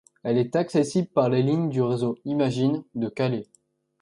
Elle est accessible par la ligne du réseau Imag'in de Calais.